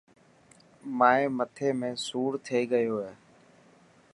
مائي مثي ۾ سوڙ ٿي گيو هي.